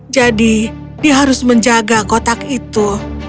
jadi dia harus menjaga kotak itu